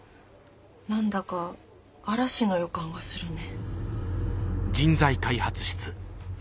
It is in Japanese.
何だか嵐の予感がするね。